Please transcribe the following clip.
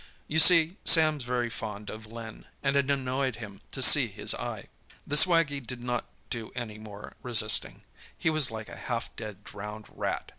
You see, Sam's very fond of Len, and it annoyed him to see his eye. "The swaggie did not do any more resisting. He was like a half dead, drowned rat.